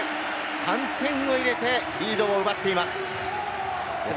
３点を入れてリードを奪っています。